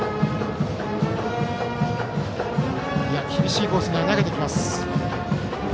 厳しいコースに投げてきます。